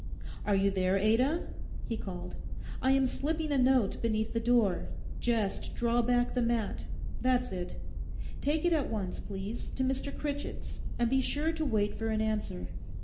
'Are you there, Ada?' he called. 'I am slipping a note beneath the door; just draw back the mat; that's it. Take it at once, please, to Mr. Critchett's, and be sure to wait for an answer.